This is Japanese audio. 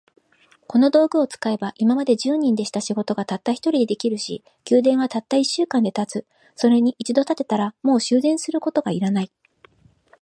この道具を使えば、今まで十人でした仕事が、たった一人で出来上るし、宮殿はたった一週間で建つ。それに一度建てたら、もう修繕することが要らない。